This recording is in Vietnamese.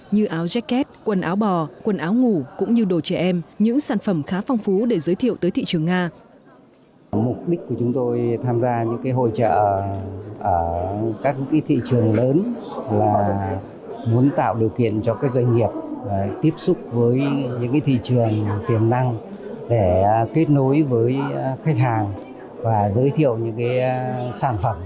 như áo jacket quần áo bò quần áo ngủ cũng như đồ trẻ em những sản phẩm khá phong phú để giới thiệu tới thị trường nga